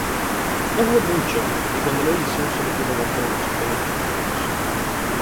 No jugó mucho y cuando lo hizo, solo pudo aguantar unos veinte minutos.